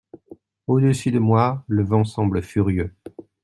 Au-dessus de moi, le vent semble furieux.